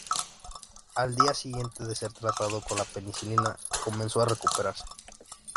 Al día siguiente de ser tratado con la penicilina, comenzó a recuperarse.